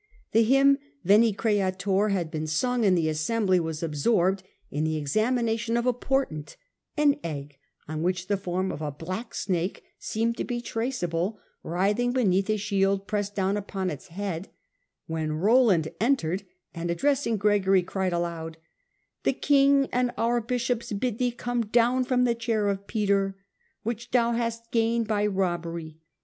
The hymn * Veni, Creator ' had been sung, and the assembly was absorbed in the examination of a portent — an egg on which the form of a black snake seemed to be trace able, writhing beneath a shield pressed down upon its head — ^when Roland entered, and, addressing Gregory, cried aloud :* The king and our bishops bid thee come down from the chair of Peter, which thou hast gained by robbery.'